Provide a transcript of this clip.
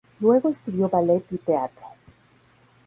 Luego estudió ballet y teatro.